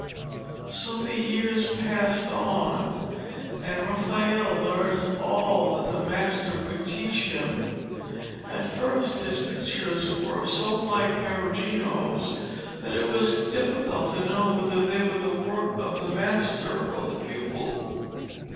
So the years passed on, and Raphael learned all that the master could teach him. At first his pictures were so like Perugino's, that it was difficult to know whether they were the work of the master or the pupil.